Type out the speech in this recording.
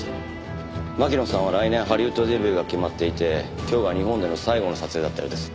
巻乃さんは来年ハリウッドデビューが決まっていて今日が日本での最後の撮影だったようです。